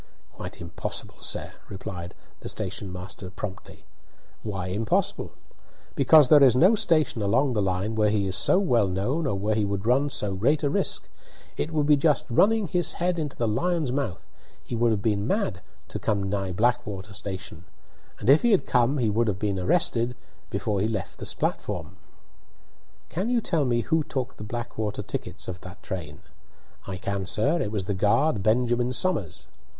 "Quite impossible, sir," replied the station master promptly. "Why impossible?" "Because there is no station along the line where he is so well known or where he would run so great a risk. It would be just running his head into the lion's mouth; he would have been mad to come nigh Blackwater station; and if he had come he would have been arrested before he left the platform." "Can you tell me who took the Blackwater tickets of that train?" "I can, sir. It was the guard, Benjamin Somers."